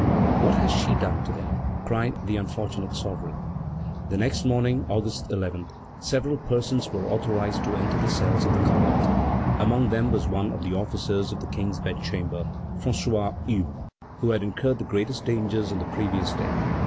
"What has she done to them?" cried the unfortunate sovereign. The next morning, August 11, several persons were authorized to enter the cells of the convent. Among them was one of the officers of the King's bedchamber, François Hue, who had incurred the greatest dangers on the previous day.